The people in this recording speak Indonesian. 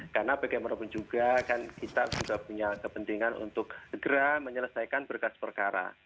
karena bagaimanapun juga kan kita sudah punya kepentingan untuk segera menyelesaikan berkas perkara